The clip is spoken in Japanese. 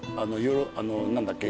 あの何だっけ